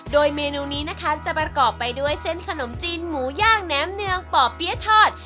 โดยเมนูนี้นะคะจะประกอบไปด้วยเส้นขนมจีนหมูย่างแนมเนืองป่อเปี๊ยะทอด